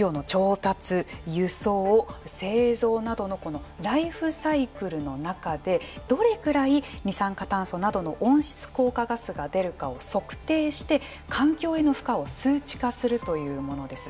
輸送製造などのこのライフサイクルの中でどれくらい二酸化炭素などの温室効果ガスが出るかを測定して環境への負荷を数値化するというものです。